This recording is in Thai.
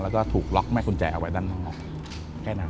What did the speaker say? แล้วก็ถูกล็อกแม่กุญแจออกไว้ด้านหลัง